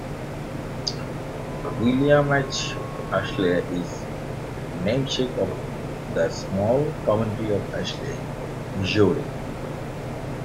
William H. Ashley is the namesake of the small community of Ashley, Missouri.